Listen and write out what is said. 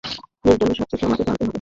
এর জন্য সবকিছু আমাকে জানতে হবে!